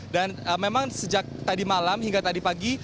dan memang sejak tadi malam hingga tadi pagi